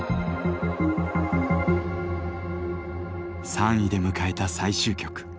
３位で迎えた最終局。